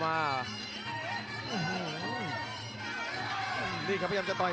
ล้ำก็มาเจอเข่าซ้าย